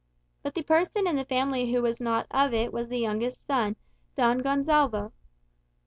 But the person in the family who was not of it was the youngest son, Don Gonsalvo.